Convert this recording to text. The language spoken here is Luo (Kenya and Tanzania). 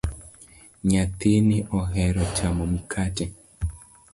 Nyathini ohero chamo mikate